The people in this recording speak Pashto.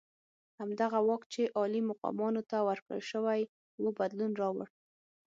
همدغه واک چې عالي مقامانو ته ورکړل شوی وو بدلون راوړ.